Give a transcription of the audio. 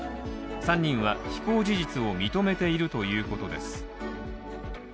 ３人は非行事実を認めているということです。